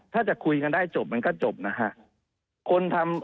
ถ้าจะคุยกันได้จบมันก็จบนะฮะ